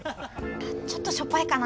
あっちょっとしょっぱいかな。